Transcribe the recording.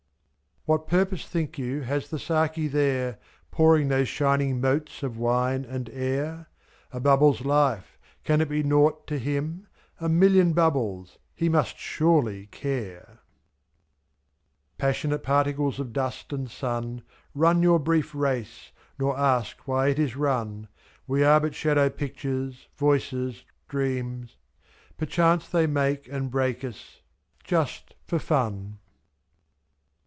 What purpose think you has the Saki there. Pouring those shining motes of wine and air ? /i^A bubble's life — can it be nought to him? A million bubbles — he must surely care! Passionate particles of dust and sun. Run your brief race, nor ask why it is run — /i7We are but shadow pictures, voices, dreams; Perchance they make and break us — just for fun.